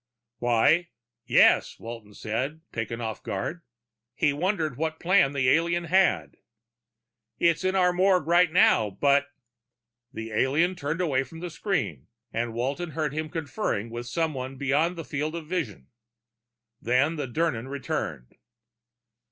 "Why, yes," Walton said, taken off guard. He wondered what plan the alien had. "It's in our morgue right now. But " The alien turned away from the screen, and Walton heard him conferring with someone beyond the field of vision. Then the Dirnan returned.